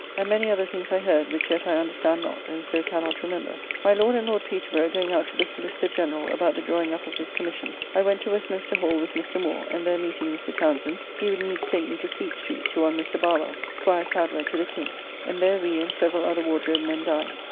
And many other things I heard which yet I understand not, and so cannot remember. My Lord and Lord Peterborough going out to the Solicitor General about the drawing up of this Commission, I went to Westminster Hall with Mr. Moore, and there meeting Mr. Townsend, he would needs take me to Fleet Street, to one Mr. Barwell, squire sadler to the King, and there we and several other Wardrobe men dined.